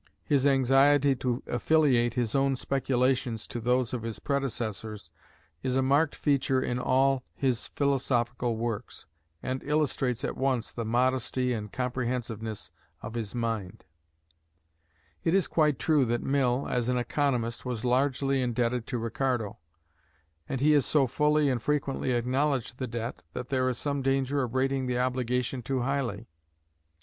His anxiety to affiliate his own speculations to those of his predecessors is a marked feature in all his philosophical works, and illustrates at once the modesty and comprehensiveness of his mind. It is quite true that Mill, as an economist, was largely indebted to Ricardo; and he has so fully and frequently acknowledged the debt, that there is some danger of rating the obligation too highly.